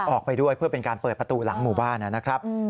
ออกไปด้วยเพื่อเป็นการเปิดประตูหลังหมู่บ้านนะครับ